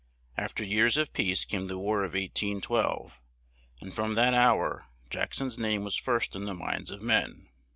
Af ter years of peace came the War of 1812, and from that hour Jack son's name was first in the minds of men.